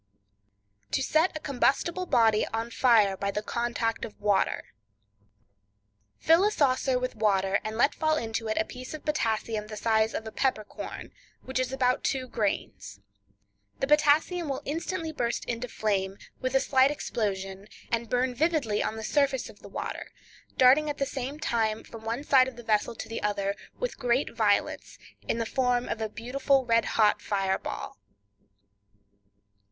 To Set a Combustible Body on Fire by the Contact of Water.—Fill a saucer with water, and let fall into it a piece of potassium the size of a pepper corn, which is about two grains. The potassium will instantly burst into flame, with a slight explosion, and burn vividly on the surface of the water, darting at the same time, from one side of the vessel to the other, with great violence, in the form of a beautiful red hot fire ball.